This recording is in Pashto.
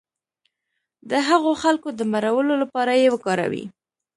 د هغو خلکو د مړولو لپاره یې وکاروي.